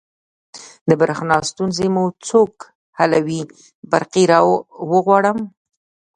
د بریښنا ستونزې مو څوک حلوی؟ برقي راغواړم